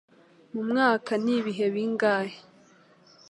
Mu mwaka ni ibihe bingahe?